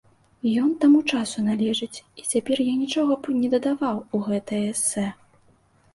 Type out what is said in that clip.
Ён таму часу належыць, і цяпер я нічога б не дадаваў у гэтае эсэ.